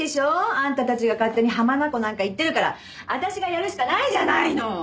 あんたたちが勝手に浜名湖なんか行ってるから私がやるしかないじゃないの！